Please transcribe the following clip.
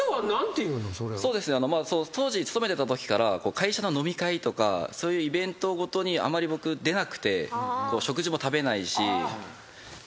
当時勤めてたときから会社の飲み会とかそういうイベント事にあまり僕出なくて食事も食べないしトレーニングが優先だったので。